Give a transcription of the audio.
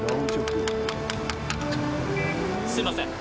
すいません